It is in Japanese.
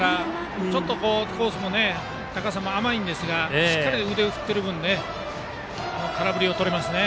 ちょっとコースも高さも甘いんですがしっかり腕を振っている分空振りがとれますね。